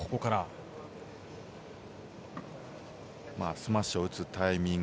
スマッシュを打つタイミング